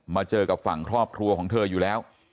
เจอกับฝั่งครอบครัวของเธออยู่แล้ว